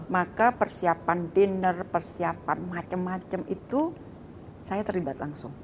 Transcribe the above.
maka persiapan dinner persiapan macam macam itu saya terlibat langsung